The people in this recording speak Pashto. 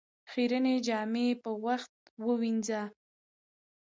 خيرنې جامې په وخت ووينځه